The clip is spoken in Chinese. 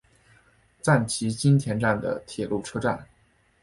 赞岐津田站的铁路车站。